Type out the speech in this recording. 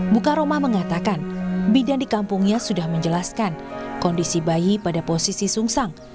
bukaroma mengatakan bidan di kampungnya sudah menjelaskan kondisi bayi pada posisi sungsang